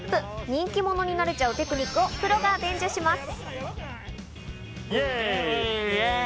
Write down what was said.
人気者になれちゃうテクニックをプロが伝授します。